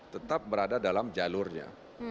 tetap berada dalam jalurnya